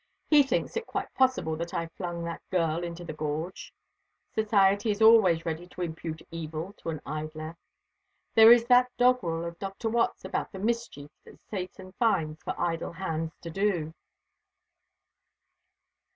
"He thinks it quite possible that I flung that girl into the gorge. Society is always ready to impute evil to an idler. There is that old doggerel of Dr. Watts about the mischief that Satan finds for idle hands to do."